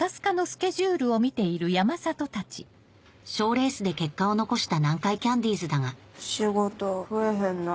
賞レースで結果を残した南海キャンディーズだが仕事増えへんな。